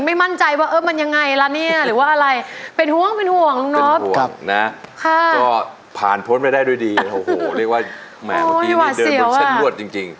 ไม่ได้ด้วยดีโอ้โหเรียกว่าแมวเมื่อกี้เดินบนเส้นรวดจริง